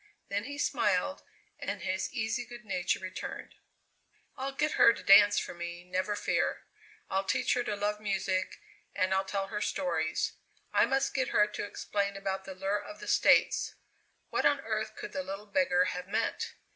Then he smiled and his easy good nature returned. "I'll get her to dance for me, never fear! I'll teach her to love music, and I'll tell her stories. I must get her to explain about the lure of the States. What on earth could the little beggar have meant?